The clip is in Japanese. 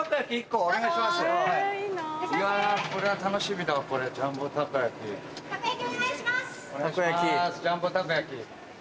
はいジャンボたこ焼き。